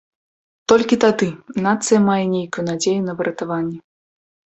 Толькі тады нацыя мае нейкую надзею на выратаванне.